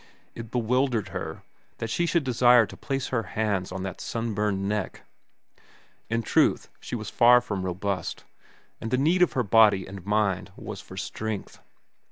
It bewildered her that she should desire to place her hands on that sunburned neck. In truth, she was far from robust, and the need of her body and mind was for strength.